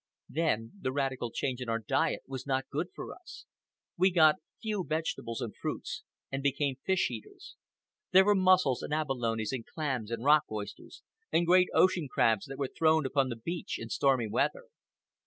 Then the radical change in our diet was not good for us. We got few vegetables and fruits, and became fish eaters. There were mussels and abalones and clams and rock oysters, and great ocean crabs that were thrown upon the beaches in stormy weather.